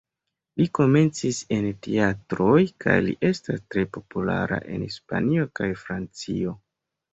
Li komencis en teatroj, kaj li estas tre populara en Hispanio kaj Francio.